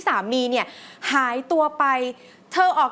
สามารถรับชมได้ทุกวัย